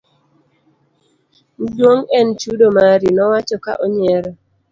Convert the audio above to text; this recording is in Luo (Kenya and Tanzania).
Mduong en chudo mari, nowacho ka onyiero.